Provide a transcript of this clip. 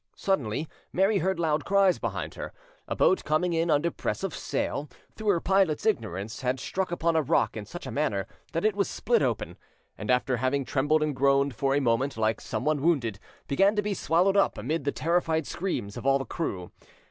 Suddenly, Mary heard loud cries behind her: a boat coming in under press of sail, through her pilot's ignorance had struck upon a rock in such a manner that it was split open, and after having trembled and groaned for a moment like someone wounded, began to be swallowed up, amid the terrified screams of all the crew.